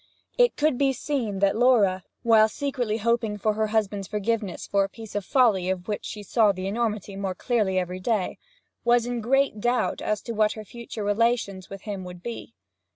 It could also be seen that Laura, while secretly hoping for her husband's forgiveness for a piece of folly of which she saw the enormity more clearly every day, was in great doubt as to what her future relations with him would be.